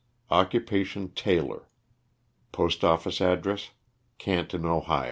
Occupation, tailor. PostoflSce address, Canton, Ohio.